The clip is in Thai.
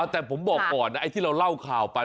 แต่ผมบอกก่อนไอ้ที่เราเล่าข่าวไป